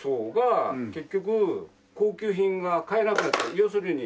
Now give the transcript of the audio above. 要するに。